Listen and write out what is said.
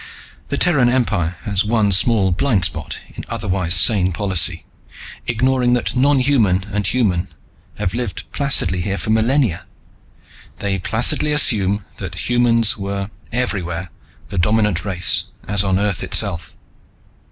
The Terran Empire has one small blind spot in otherwise sane policy, ignoring that nonhuman and human have lived placidly here for millennia: they placidly assumed that humans were everywhere the dominant race, as on Earth itself.